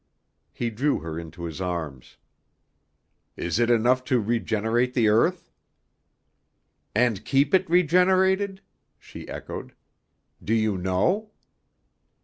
He drew her into his arms. "Is it enough to regenerate the earth?" "And keep it regenerated?" she echoed. "Do you know?"